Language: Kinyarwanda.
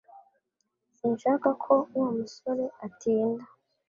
Sinshaka ko Wa musore atinda